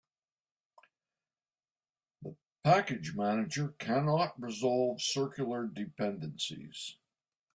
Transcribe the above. The package manager cannot resolve circular dependencies.